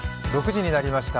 ６時になりました。